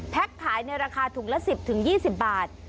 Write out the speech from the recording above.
ขายในราคาถุงละ๑๐๒๐บาท